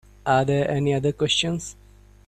Are there any other questions?